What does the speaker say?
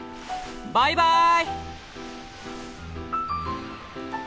バイバーイ！